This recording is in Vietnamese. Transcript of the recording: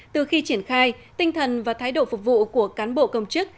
từ khi triển khai tinh thần và thái độ phục vụ của cán bộ công chức